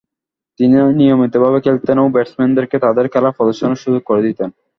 তিনি নিয়মিতভাবে খেলতেন ও ব্যাটসম্যানদেরকে তাদের খেলার প্রদর্শনের সুযোগ করে দিতেন।